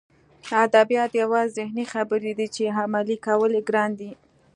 ادبیات یوازې ذهني خبرې دي چې عملي کول یې ګران دي